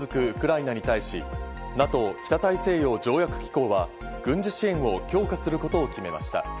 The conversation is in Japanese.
ウクライナに対し、ＮＡＴＯ＝北大西洋条約機構は軍事支援を強化することを決めました。